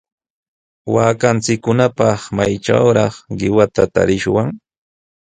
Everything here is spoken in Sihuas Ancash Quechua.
Waakanchikkunapaq, ¿maytrawraq qiwata tarishwan?